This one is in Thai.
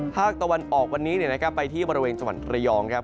ภาคตะวันออกวันนี้ไปที่บริเวณจังหวัดระยองครับ